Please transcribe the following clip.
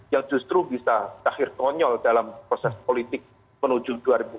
yang justru bisa cair konyol dalam proses politik menuju dua ribu dua puluh